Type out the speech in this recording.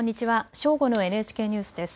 正午のＮＨＫニュースです。